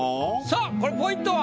さあこれポイントは？